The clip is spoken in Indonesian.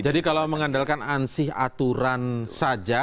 kalau mengandalkan ansih aturan saja